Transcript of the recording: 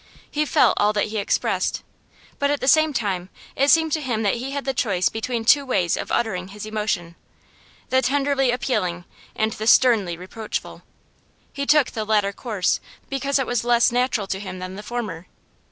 He felt all that he expressed, but at the same time it seemed to him that he had the choice between two ways of uttering his emotion the tenderly appealing and the sternly reproachful: he took the latter course because it was less natural to him than the former.